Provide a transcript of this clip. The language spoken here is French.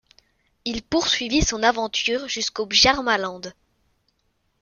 Il poursuivit son aventure jusqu'au Bjarmaland.